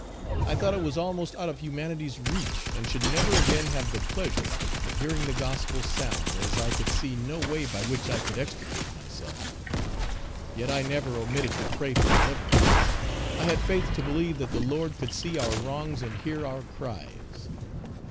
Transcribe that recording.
I thought I was almost out of humanity's reach, and should never again have the pleasure of hearing the gospel sound, as I could see no way by which I could extricate myself; yet I never omitted to pray for deliverance. I had faith to believe that the Lord could see our wrongs and hear our cries.